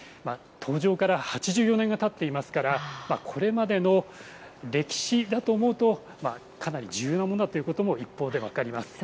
登場から８４年がたっていますから、これまでの歴史だと思うと、かなり重要だということも一方で分かります。